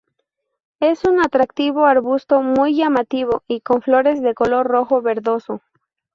Es un atractivo arbusto muy llamativo y con flores de color rojo verdoso.